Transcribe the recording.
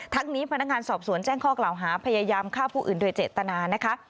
นี้พนักงานสอบสวนแจ้งข้อกล่าวหาพยายามฆ่าผู้อื่นโดยเจตนานะคะ